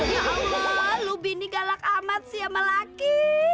ya allah bini galak amat sih sama laki